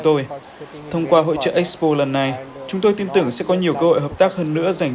tôi thông qua hội trợ expo lần này chúng tôi tin tưởng sẽ có nhiều cơ hội hợp tác hơn nữa dành